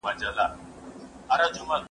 د خولې له لارې اوبه له بدنه وځي.